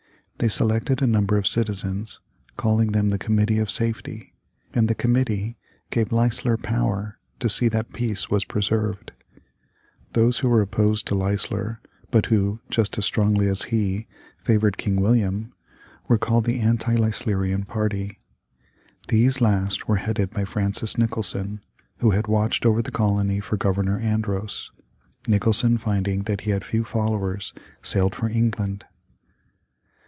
They selected a number of citizens, calling them the Committee of Safety, and the committee gave Leisler power to see that peace was preserved. Those who were opposed to Leisler, but who, just as strongly as he, favored King William, were called the anti Leislerian party. These last were headed by Francis Nicholson, who had watched over the colony for Governor Andros. Nicholson finding that he had few followers, sailed for England.